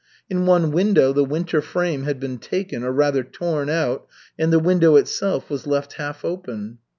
In one window the winter frame had been taken, or, rather, torn out, and the window itself was left half open.